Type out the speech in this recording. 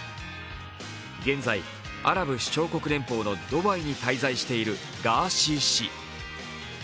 現在、アラブ首長国連邦のドバイに滞在しているガーシー氏。